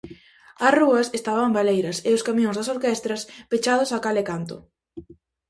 As rúas estaban baleiras e os camións das orquestras pechados a cal e canto.